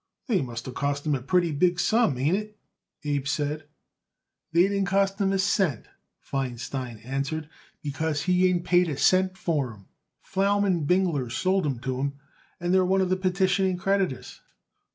"They must have cost him a pretty big sum, ain't it?" Abe said. "They didn't cost him a cent," Feinstein answered, "because he ain't paid a cent for 'em. Flaum & Bingler sold 'em to him, and they're one of the petitioning creditors.